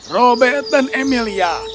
robert dan emilia